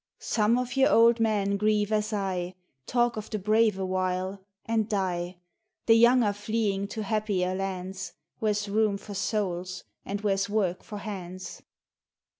" Some of your old men grieve as I Talk of the brave awhile — and die ! The young are fleeing to happier lands Where's room for souls and where's work for hands.